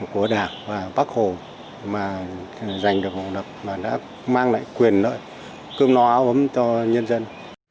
của đảng và bắc hồ mà giành được độc lập và đã mang lại quyền lợi cơm no áo ấm cho nhân dân